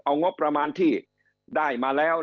เอางบประมาณที่ได้มาแล้ว